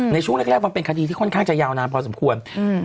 ในช่วงแรกมันเป็นคดีที่ค่อนข้างจะยาวนานพอสมควร